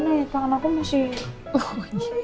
gimana ya tangan aku masih